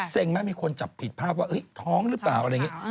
ไหมมีคนจับผิดภาพว่าท้องหรือเปล่าอะไรอย่างนี้